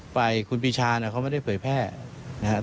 ฝ่ายคุณปีชาเนี่ยเขาไม่ได้เผยแพร่นะครับ